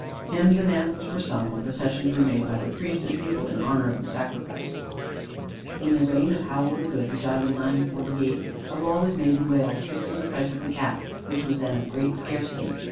Hymns and anthems were sung, and processions were made by the priest and people in honour of the sacrifice. In the reign of Howel the Good, who died in 948, a law was made in Wales, fixing the price of the Cat, which was then of great scarcity.